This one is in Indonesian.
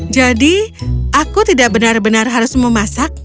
jadi aku tidak benar benar harus memasak